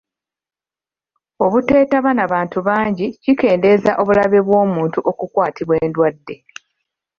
Obuteetaba na bantu bangi kikendeeza obulabe bw'omuntu okukwatibwa endwadde.